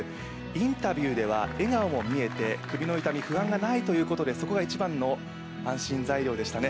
インタビューでは笑顔も見えて首の痛み、不安がないということでそこが一番の安心材料でしたね。